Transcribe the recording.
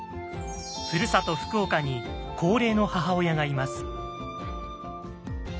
ふるさと福岡に高齢の母親がいます。